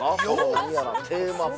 何やらテーマパーク。